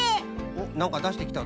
なんかだしてきたぞ。